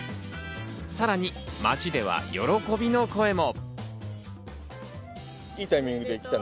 さらに街では喜びの声も。